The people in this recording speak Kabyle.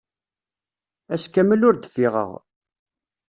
Ass kamel ur d-ffiɣeɣ.